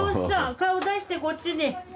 顔出してこっちに。